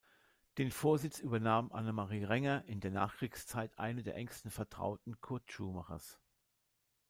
Den Vorsitz übernahm Annemarie Renger, in der Nachkriegszeit eine der engsten Vertrauten Kurt Schumachers.